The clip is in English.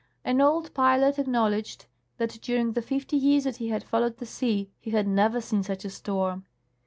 An old pilot acknowledged that during the fifty years that he had followed the sea he had never seen such a storm.